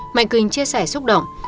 mạnh quỳnh chia sẻ xúc động